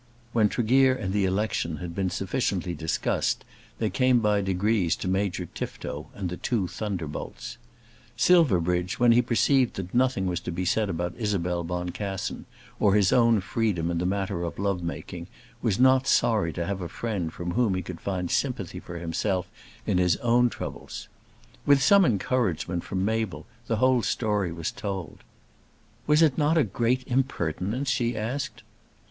When Tregear and the election had been sufficiently discussed, they came by degrees to Major Tifto and the two thunderbolts. Silverbridge, when he perceived that nothing was to be said about Isabel Boncassen, or his own freedom in the matter of love making, was not sorry to have a friend from whom he could find sympathy for himself in his own troubles. With some encouragement from Mabel the whole story was told. "Was it not a great impertinence?" she asked.